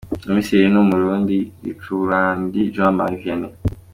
Komiseri ni Umurundi Hicuburundi Jean Marie Vianney.